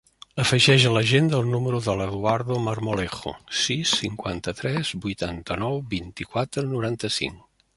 Afegeix a l'agenda el número de l'Eduardo Marmolejo: sis, cinquanta-tres, vuitanta-nou, vint-i-quatre, noranta-cinc.